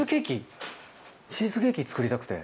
チーズケーキ作りたくて。